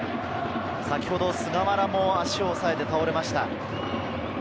先ほど菅原も足を押さえて倒れました。